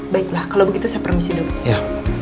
baiklah kalau begitu saya permisi dulu